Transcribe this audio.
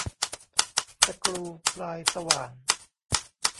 สกรูปลายสว่าน